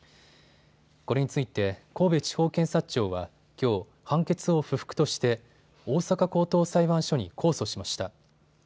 これについて神戸地方検察庁はきょう判決を不服として大阪高等裁判所に控訴しました。